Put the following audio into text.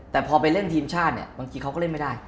แต่พอไปเล่นทีมชาติเนี่ยบางทีเขาก็เล่นไม่ได้